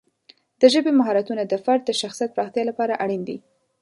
د ژبې مهارتونه د فرد د شخصیت پراختیا لپاره اړین دي.